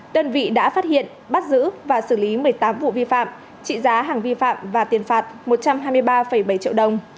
đơn vị đã phát hiện bắt giữ và xử lý một mươi tám vụ vi phạm trị giá hàng vi phạm và tiền phạt một trăm hai mươi ba bảy triệu đồng